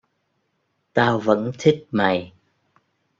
tao vẫn thích mày